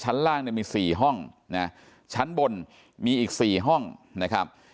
ล่างเนี่ยมี๔ห้องนะชั้นบนมีอีก๔ห้องนะครับ